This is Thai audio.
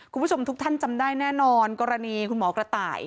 คุณผู้ชมทุกท่านจำได้แน่นอนกรณีคุณหมอกระต่าย